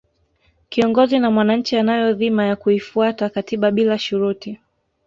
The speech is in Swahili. kiongozi na mwanachi anayo dhima ya kuifuata katiba bila shuruti